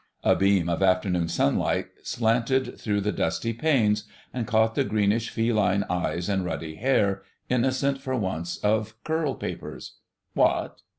A beam of afternoon sunlight slanted through the dusty panes and caught the greenish feline eyes and ruddy hair, innocent for once of curl papers. "Wot?